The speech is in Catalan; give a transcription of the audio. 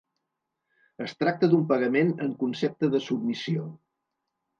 Es tracta d’un pagament en concepte de submissió.